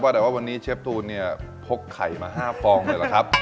แต่ว่าวันนี้เชฟตูนเนี่ยพกไข่มา๕ฟองเลยล่ะครับ